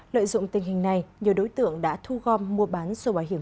lợi dụng tình hình này nhiều đối tượng đã thu gom mua bán sổ bảo hiểm